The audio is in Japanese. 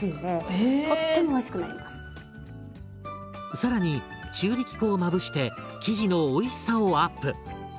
更に中力粉をまぶして生地のおいしさをアップ。